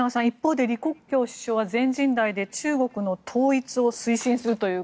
一方で李克強首相は全人代で中国の統一を推進すると。